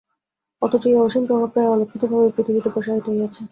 অথচ এই অসীম প্রভাব প্রায় অলক্ষিতভাবেই পৃথিবীতে প্রসারিত হইয়াছে।